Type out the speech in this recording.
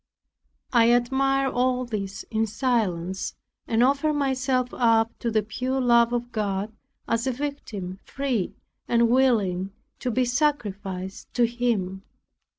I admired all this in silence, and offered myself up to the pure love of God, as a victim, free and willing to be sacrificed to Him.